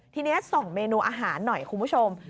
ทีนี้ส่องเมนูอาหารหน่อยคุณผู้ชม